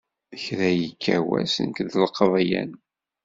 Kra yekka wass nekk d lqeḍyan.